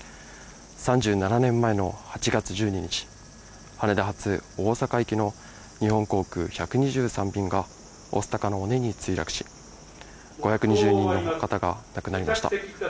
３７年前の８月１２日、羽田発大阪行きの日本航空１２３便が御巣鷹の尾根に墜落し、５２０人の方が亡くなりました。